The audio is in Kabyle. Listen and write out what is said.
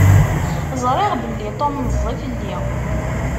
Ẓṛiɣ belli Tom meẓẓi fell-i.